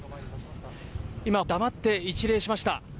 今、黙って一礼しました。